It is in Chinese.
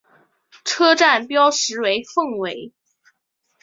车站标识为凤尾。